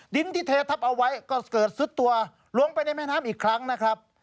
ดินที่เททับเอาไว้ก็เกิดซุดตัวลงไปในแม่น้ำอีกครั้งนะครับ